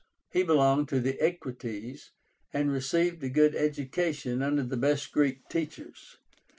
He belonged to the Equites, and received a good education under the best Greek teachers.